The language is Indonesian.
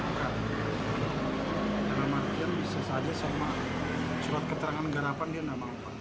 karena makin sesuai sama surat keterangan garapan dia nggak maupun